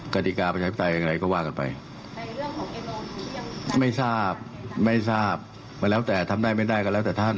กฎิกาประชาธิปไตยอะไรก็ว่ากันไปไม่ทราบไม่ทราบมันแล้วแต่ทำได้ไม่ได้ก็แล้วแต่ท่าน